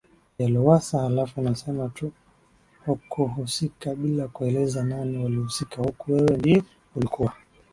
ya Lowassa halafu unasema tu hukuhusika bila kueleza nani walihusika huku wewe ndiye ulikuwa